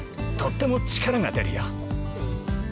とっても力が出るよ。